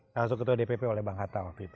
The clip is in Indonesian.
salah satu ketua dpp oleh bang hatta waktu itu